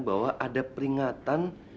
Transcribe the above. bahwa ada peringatan